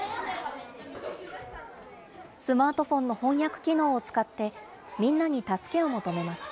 スマートフォンの翻訳機能を使ってみんなに助けを求めます。